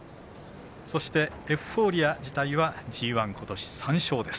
そして、エフフォーリア自体はＧＩ、ことし３勝です。